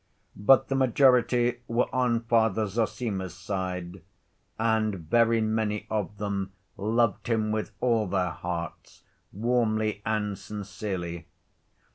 But the majority were on Father Zossima's side and very many of them loved him with all their hearts, warmly and sincerely.